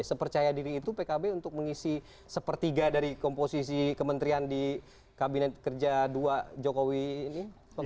sepercaya diri itu pkb untuk mengisi sepertiga dari komposisi kementerian di kabinet kerja dua jokowi ini